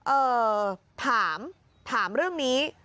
เอ่อถามถามเรื่องนี้